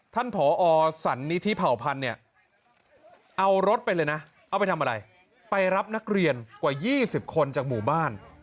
ผอสันนิธิเผ่าพันธุ์เนี่ยเอารถไปเลยนะเอาไปทำอะไรไปรับนักเรียนกว่า๒๐คนจากหมู่บ้าน